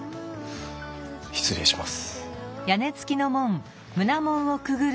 失礼します。